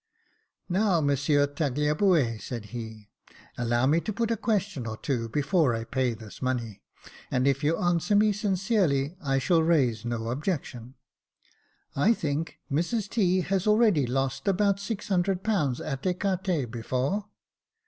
" Now, Monsieur Tagliabue," said he, *' allow me to put a question or two, before I pay this money ; and if you answer me sincerely, I shall raise no objection. I think Mrs T. has already lost about six hundred pounds at ecarte before